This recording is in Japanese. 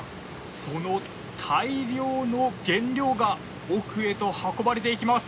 その大量の原料が奥へと運ばれていきます。